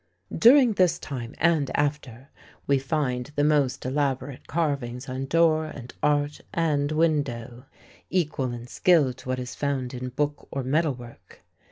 During this time, and after, we find the most elaborate carvings on door and arch and window, equal in skill to what is found in book or metal work.